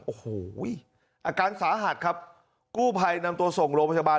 โอ้โหอาการสาหัสครับกู้ภัยนำตัวส่งโรงพยาบาล